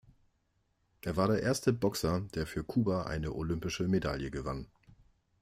Er war der erste Boxer, der für Kuba eine olympische Medaille gewann.